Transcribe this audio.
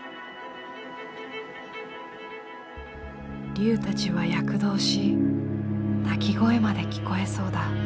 龍たちは躍動し鳴き声まで聞こえそうだ。